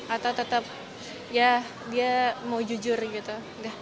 atau tetap ya dia mau jujur gitu